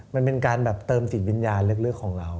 มันเป็นการเติมสิทธิ์วิญญาณเล็กของเรา